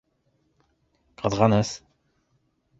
Ҡыҙғаныс!